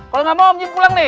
kalau gak mau om jin pulang nih